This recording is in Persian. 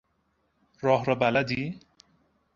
راه را بلدی؟